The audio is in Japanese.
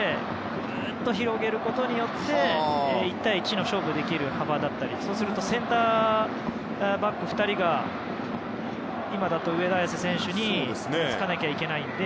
ぐっと広げることによって１対１を勝負できる幅だったりそうするとセンターバック２人が今だと上田綺世選手につかないといけないので。